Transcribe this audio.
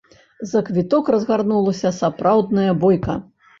За квіток разгарнулася сапраўдная бойка.